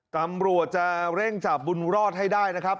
ตำรวจจะเร่งจับบุญรอดให้ได้นะครับ